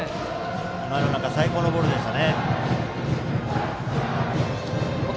今のなんか最高のボールでした。